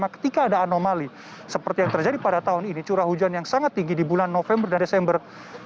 ketika ada anomali seperti yang terjadi pada tahun ini curah hujan yang sangat tinggi di bulan november dan desember